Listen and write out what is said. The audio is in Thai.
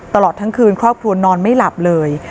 ตลอดทั้งคืนครอบครัวนอนไม่หลับเลย